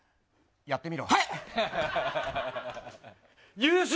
やってみろ。